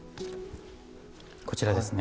こちらですね。